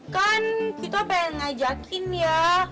kan kita pengen ngajakin ya